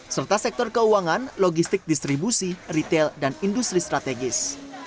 serta sektor keuangan logistik distribusi retail dan industri strategis